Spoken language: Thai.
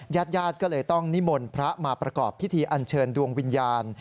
ญาติญาติก็เลยต้องนิมนต์พระมาประกอบพิธีอันเชิญดวงวิญญาณ